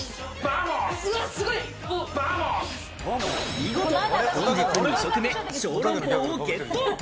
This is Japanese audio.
見事、本日２食目、小籠包をゲット。